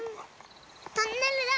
トンネルだ！